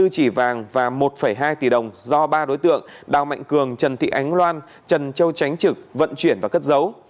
hai mươi chỉ vàng và một hai tỷ đồng do ba đối tượng đào mạnh cường trần thị ánh loan trần châu tránh trực vận chuyển và cất dấu